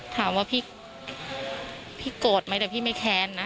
ถามว่าพี่พี่โกรธไหมแต่พี่ไม่แค้นนะ